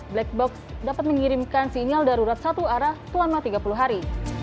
black box dapat mengirimkan sinyal darurat satu arah selama tiga puluh hari